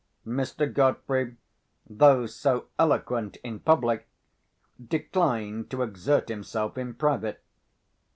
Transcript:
Mr. Godfrey, though so eloquent in public, declined to exert himself in private.